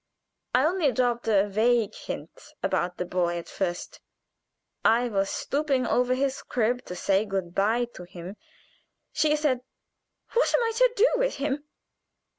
I only dropped a vague hint about the boy at first; I was stooping over his crib to say good bye to him. She said, 'What am I to do with him?'